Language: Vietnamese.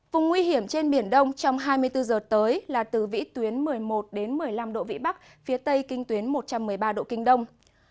vùng nguy hiểm trên biển đông trong hai mươi bốn h tới là từ vĩ tuyến một mươi một một mươi năm độ vĩ bắc phía tây kinh tuyến một trăm một mươi ba độ kinh đông